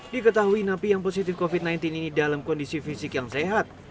diketahui napi yang positif covid sembilan belas ini dalam kondisi fisik yang sehat